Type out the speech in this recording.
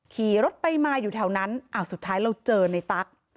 ขี่รถไปมาอยู่แถวนั้นอ้าวสุดท้ายเราเจอในตั๊ก